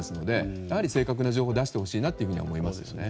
やはり正確な情報を出してほしいなと思います。